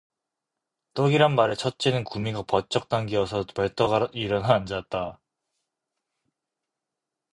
떡이란 말에 첫째는 구미가 버쩍 당기어서 벌떡 일어나 앉았다.